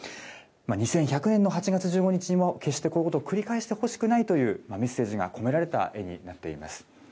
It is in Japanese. ２１００年の８月１５日にも決してこういうことを繰り返してほしくないというメッセージが込められた絵になっています。